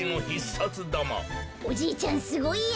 おじいちゃんすごいや。